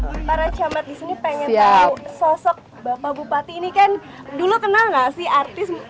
walaupun ada para camat disini ingin tahu sosok bapak bupati ini kan dulu kenal tidak sih artis